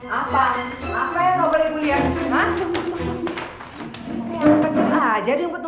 apa apa yang ga boleh ibu liat